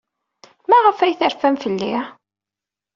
Maɣef ay terfamt fell-i?